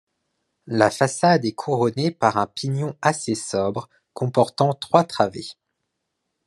La façade est couronnée par un pignon assez sobre comportant trois travées.